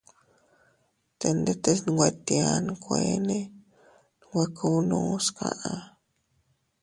Te ndetes nwe tia nkueene nwe kubnus kaʼa.